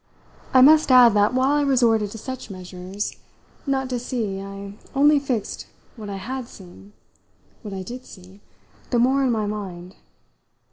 I must add that while I resorted to such measures not to see I only fixed what I had seen, what I did see, the more in my mind.